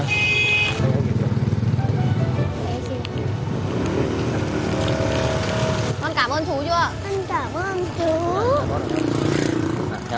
con cảm ơn chú chưa